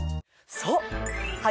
そう！